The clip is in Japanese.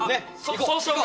あっそうしようか。